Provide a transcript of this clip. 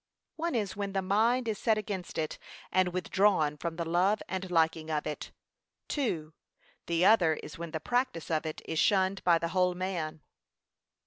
One is when the mind is set against it, and withdrawn from the love and liking of it. II. The other is when the practice of it is shunned by the whole man.